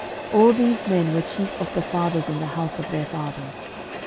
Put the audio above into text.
All these men were chief of the fathers in the house of their fathers.